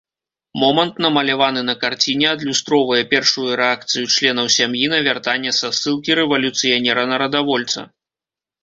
Момант, намаляваны на карціне, адлюстроўвае першую рэакцыю членаў сям'і на вяртанне са ссылкі рэвалюцыянера-нарадавольца.